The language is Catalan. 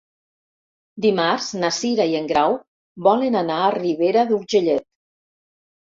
Dimarts na Cira i en Grau volen anar a Ribera d'Urgellet.